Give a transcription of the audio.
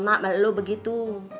maksudnya lu begitu